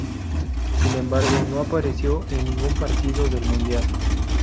Sin embargo, no apareció en ningún partido del mundial.